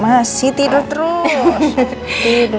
masih tidur terus